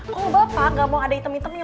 kok bapak gak mau ada hitam hitamnya